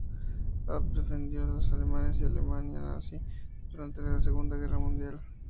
App defendió a los alemanes y la Alemania nazi durante la Segunda Guerra Mundial.